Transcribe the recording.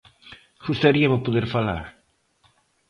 Gustaríame poder falar.